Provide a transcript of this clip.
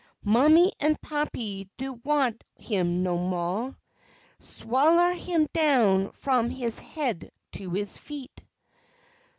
Mammy an' pappy do' want him no mo', Swaller him down f'om his haid to his feet!